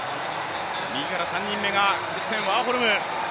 右から３人目がカルステン・ワーホルム。